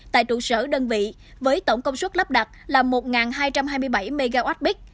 tại trụ sở đơn vị với tổng công suất lắp đặt là một hai trăm hai mươi bảy mwp